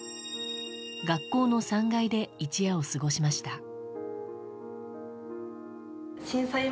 学校の３階で一夜を過ごしました。